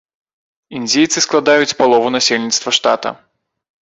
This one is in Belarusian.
Індзейцы складаюць палову насельніцтва штата.